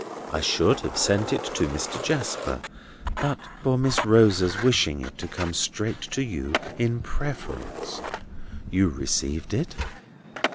I should have sent it to Mr. Jasper, but for Miss Rosa's wishing it to come straight to you, in preference. You received it?"